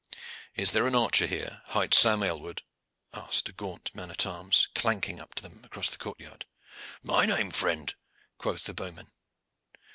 "Is there an archer here hight Sam Aylward?" asked a gaunt man at arms, clanking up to them across the courtyard. "My name, friend," quoth the bowman.